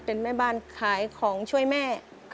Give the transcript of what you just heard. เป็นแม่บ้านขายของช่วยแม่